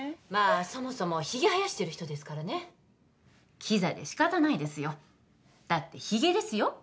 まあそもそもヒゲ生やしてる人ですからねキザでしかたないですよだってヒゲですよ？